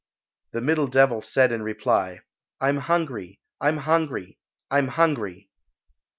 The middle devil said in reply, "I'm hungry, I'm hungry, I'm hungry."